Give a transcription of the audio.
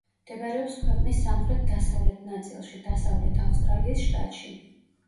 მდებარეობს ქვეყნის სამხრეთ-დასავლეთ ნაწილში, დასავლეთ ავსტრალიის შტატში.